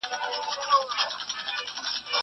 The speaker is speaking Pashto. سبزېجات جمع کړه!!